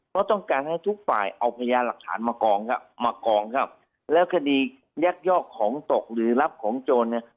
เพราะต้องการให้ทุกฝ่ายเอาพยานหลักฐานมากองครับมากองครับแล้วคดียักยอกของตกหรือรับของโจรเนี่ย